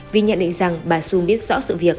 vì nhận định rằng bà xuông biết rõ sự việc